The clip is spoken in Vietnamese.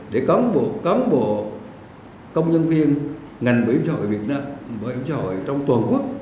để có một bộ công nhân viên ngành bảo hiểm xã hội việt nam bảo hiểm xã hội trong toàn quốc